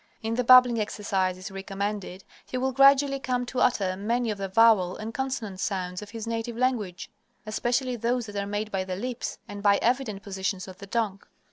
In the babbling exercises recommended, he will gradually come to utter many of the vowel and consonant sounds of his native language; especially those that are made by the lips, and by evident positions of the tongue.